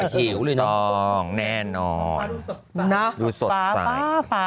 หิวเลยนะต้องแน่นอนดูสดใสฟ้าฟ้าฟ้า